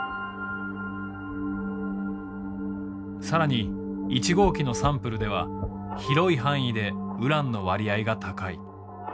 更に１号機のサンプルでは広い範囲でウランの割合が高い。